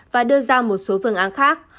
và đưa ra một số phương án khác